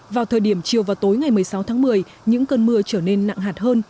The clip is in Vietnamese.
vào thời điểm chiều và tối ngày một mươi sáu tháng một mươi những cơn mưa trở nên nặng hạt hơn